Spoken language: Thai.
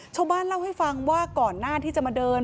ชาวบ้านเล่าให้ฟังว่าก่อนหน้าที่จะมาเดิน